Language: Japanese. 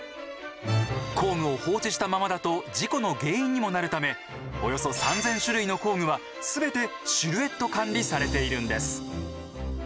工具を放置したままだと事故の原因にもなるためおよそ３，０００種類の工具は全てシルエット管理されているんです。